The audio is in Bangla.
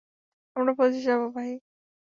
আমরা পৌঁছে যাবো, ভাই।